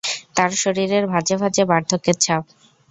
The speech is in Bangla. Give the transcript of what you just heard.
তবে শরীরের ভাঁজে ভাঁজে বার্ধ্যকের ছাপ।